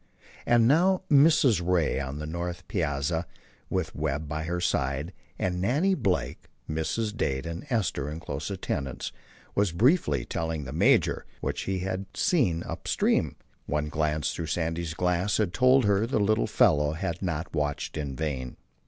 And now Mrs. Ray, on the north piazza, with Webb by her side and Nannie Blake, Mrs. Dade and Esther in close attendance, was briefly telling the major what she had seen up stream. One glance through Sandy's glass had told her the little fellow had not watched in vain.